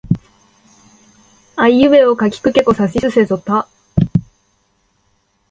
あいうえおかきくけこさしすせそた